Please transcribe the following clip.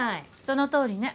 そのとおりね。